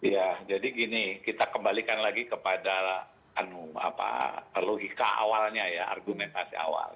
ya jadi gini kita kembalikan lagi kepada logika awalnya ya argumentasi awal